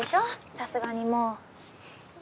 さすがにもう。